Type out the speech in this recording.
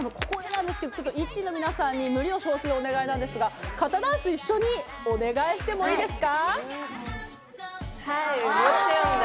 ＩＴＺＹの皆さんに無理を承知でお願いなんですが、肩ダンスを一緒にお願いしていいですか？